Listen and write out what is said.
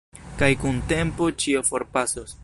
Kaj kun tempo ĉio forpasos.